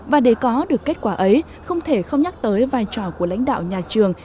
và để có được kết quả ấy không thể không nhắc tới vai trò của lãnh đạo nhà trường